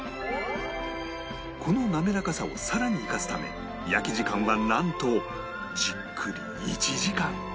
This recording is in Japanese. この滑らかさをさらに生かすため焼き時間はなんとじっくり１時間